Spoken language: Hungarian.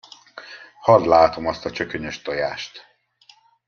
Hadd látom azt a csökönyös tojást!